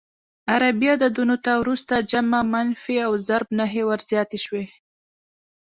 عربي عددونو ته وروسته جمع، منفي او ضرب نښې ور زیاتې شوې.